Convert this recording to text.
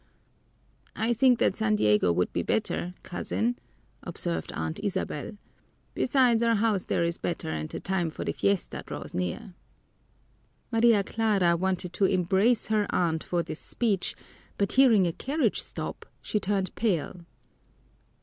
"I think that San Diego would be better, cousin," observed Aunt Isabel. "Besides, our house there is better and the time for the fiesta draws near." Maria Clara wanted to embrace her aunt for this speech, but hearing a carriage stop, she turned pale.